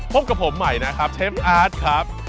พบกับผมใหม่นะครับเชฟอาร์ตครับ